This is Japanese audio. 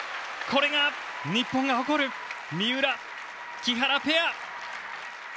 これが日本が誇る三浦・木原ペア。